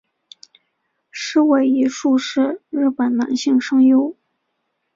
矢尾一树是日本男性声优。